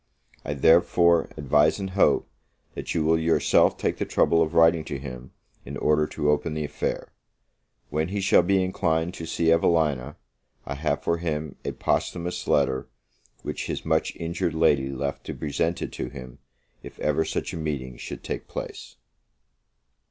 I, therefore, advise and hope, that you will yourself take the trouble of writing to him, in order to open the affair. When he shall be inclined to see Evelina, I have for him a posthumous letter, which his much injured lady left to be presented to him, if ever such a meeting should take place.